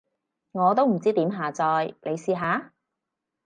我都唔知點下載，你試下？